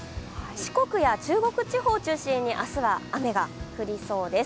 四国や中国地方を中心に明日は雨が降りそうです。